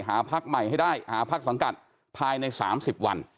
หาพักใหม่ให้ได้หาพักสังกัดภายใน๓๐วัน